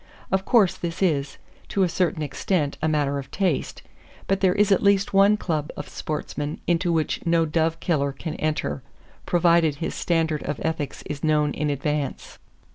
Of course this is, to a certain extent, a matter of taste; but there is at least one club of sportsmen into which no dove killer can enter, provided his standard of ethics is known in advance.